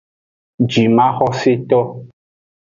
Jimaxoseto.